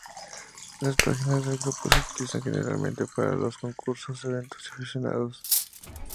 Las páginas del grupo se utilizan generalmente para los concursos, eventos, y aficionados.